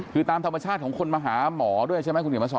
คือตามธรรมชาติของคนมาหาหมอด้วยใช่ไหมคุณเขียนมาสอน